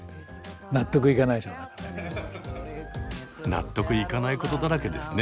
納得いかないことだらけですね。